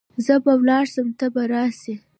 زه به ولاړ سم ته به راسي .